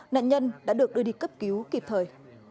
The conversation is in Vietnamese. nạn nhân đã được đưa đi cấp cứu kịp thời